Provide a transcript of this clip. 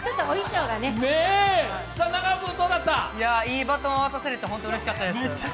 いいバトン渡されて本当にうれしかったです。